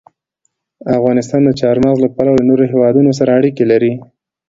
افغانستان د چار مغز له پلوه له نورو هېوادونو سره اړیکې لري.